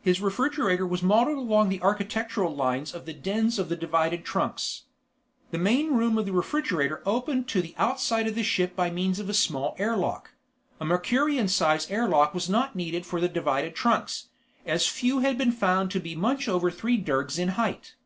His refrigerator was modeled along the architectural lines of the dens of the divided trunks. The main room of the refrigerator opened to the outside of the ship by means of a small air lock. A Mercurian size air lock was not needed for the divided trunks, as few had been found to be much over three dergs in height.